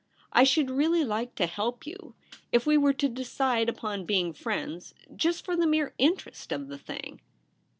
1 should really like to help you — if we were to decide upon being friends — ^just for the mere interest of the thing.